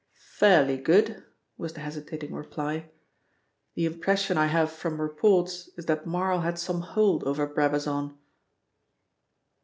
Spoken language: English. "Fairly good," was the hesitating reply. "The impression I have from reports is that Marl had some hold over Brabazon."